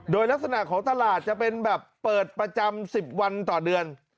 โดยลักษณะของตลาดจะเป็นแบบเปิดประจำ๑๐วันต่อเดือน